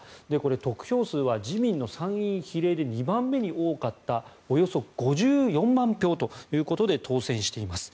得票数は自民党の参院比例で２番目に多かったおよそ５４万票ということで当選しています。